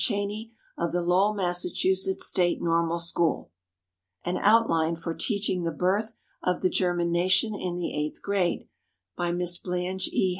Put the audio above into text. Cheney, of the Lowell, Mass., State Normal School; an "Outline for Teaching the Birth of the German Nation in the Eighth Grade," by Miss Blanche E.